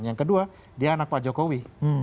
yang kedua dia anak pak jokowi